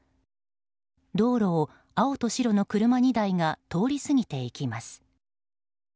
道路を青と白の車２台が通り過ぎていきます。